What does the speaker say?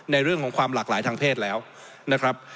ในเรื่องของความหลากหลายทางเพศแล้วนะครับ